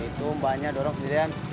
itu mbaknya dorong sidiran